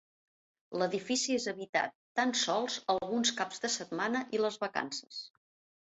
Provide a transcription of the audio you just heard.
L'edifici és habitat tan sols alguns caps de setmana i les vacances.